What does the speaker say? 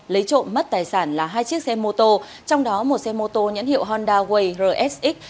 lấy trộm mất tài sản là hai chiếc xe mô tô trong đó một xe mô tô nhãn hiệu honda way rsx